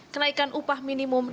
kenaikan upah minimum rp delapan